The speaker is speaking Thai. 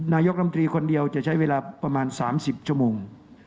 นายกรรมตรีคนเดียวจะใช้เวลาประมาณ๓๐ชั่วโมง